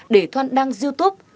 để thoan đăng youtube